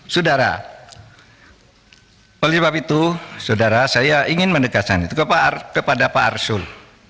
saudara oleh sebab itu saudara saya ingin mendekatkan itu kepada pak arsul